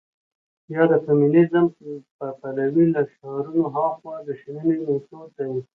يا د فيمنيزم په پلوۍ له شعارونو هاخوا د شننې مېتود دى.